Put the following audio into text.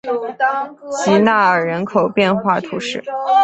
吉纳尔人口变化图示